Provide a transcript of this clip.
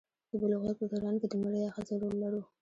د بلوغیت په دوران کې د میړه یا ښځې رول لرو.